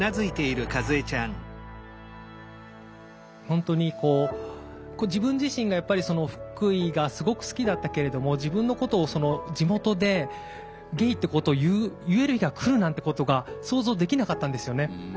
本当に自分自身がやっぱり福井がすごく好きだったけれども自分のことを地元でゲイってことを言える日が来るなんてことが想像できなかったんですよね。